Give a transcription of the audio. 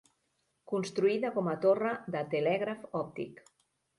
Construïda com a torre de telègraf òptic.